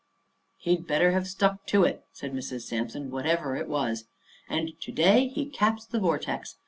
"He'd better have stuck to it," says Mrs. Sampson, "whatever it was. And to day he caps the vortex.